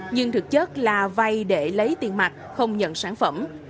nhưng thực chất là vay để lấy tiền mặt không nhận sản phẩm